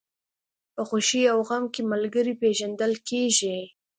په خوښۍ او غم کې ملګری پېژندل کېږي.